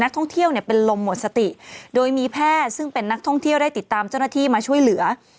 ท่องเที่ยวเนี่ยเป็นลมหมดสติโดยมีแพทย์ซึ่งเป็นนักท่องเที่ยวได้ติดตามเจ้าหน้าที่มาช่วยเหลือ